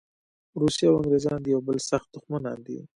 روسیه او انګریزان د یوه بل سخت دښمنان دي.